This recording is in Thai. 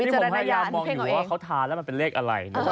ให้เลยเอาอีกอย่างต่อก็คือเขาทานแล้วมันเป็นเลขอะไร